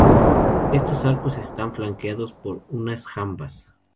Estos arcos están flanqueados por unas jambas.